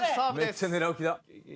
めっちゃ狙う気だ。